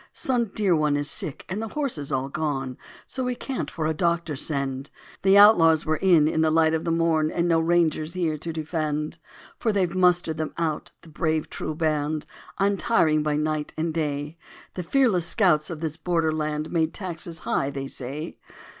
Some dear one is sick and the horses all gone, So we can't for a doctor send; The outlaws were in in the light of the morn And no Rangers here to defend. For they've mustered them out, the brave true band, Untiring by night and day. The fearless scouts of this border land Made the taxes high, they say.